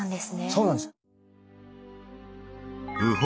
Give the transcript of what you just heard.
そうなんです。